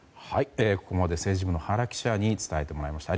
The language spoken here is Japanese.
ここまで政治部の原記者に伝えてもらいました。